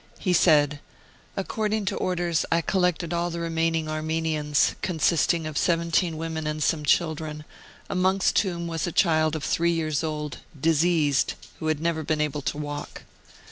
He said: "According to orders, I collected all the remaining Armenians, consisting of 17 women and some children, amongst whom was a child of 3 years old, diseased, who had never been able to walk.